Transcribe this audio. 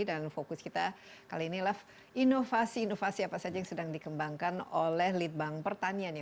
dan fokus kita kali ini adalah inovasi inovasi apa saja yang sedang dikembangkan oleh litbang pertanian ya